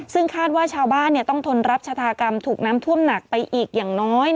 ซึ่งคาดว่าชาวบ้านต้องทนรับชะธากรรมถูกน้ำท่วมหนักไปอีกอย่างน้อย